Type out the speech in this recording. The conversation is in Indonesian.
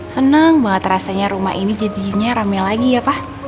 senang banget rasanya rumah ini jadinya rame lagi ya pak